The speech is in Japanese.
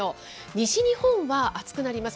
西日本は暑くなります。